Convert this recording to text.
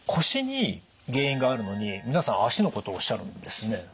腰に原因があるのに皆さん足のことをおっしゃるんですね。